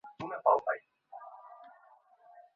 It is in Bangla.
আমি প্রায় নিশ্চিত আজ বিকালে উনি ক্লিন শেভ করা ছিলেন।